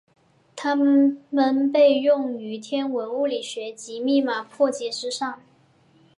它们被用于天文物理学及密码破解之上。